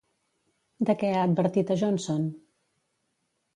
De què ha advertit a Johnson?